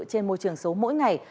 trên môi trường số mỗi ngày